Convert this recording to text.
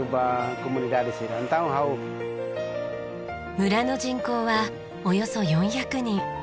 村の人口はおよそ４００人。